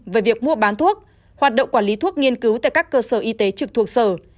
về việc mua bán thuốc hoạt động quản lý thuốc nghiên cứu tại các cơ sở y tế trực thuộc sở